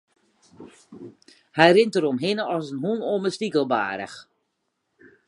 Hy rint deromhinne as de hûn om in stikelbaarch.